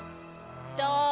どう？